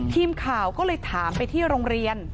ทีมข่าวก็เลยถามไปที่โรงเรียน